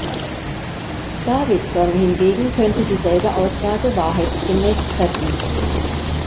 Davidson hingegen könnte dieselbe Aussage wahrheitsgemäß treffen.